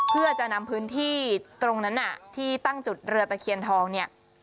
เพื่อจะนำพื้นที่ตรงนั้นที่ตั้งจุดเรือตะเคียนทองเนี่ย